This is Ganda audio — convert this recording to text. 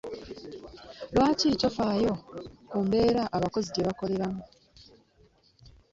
Lwaki tofaayo ku mbeera abakozi gye bakoleramu?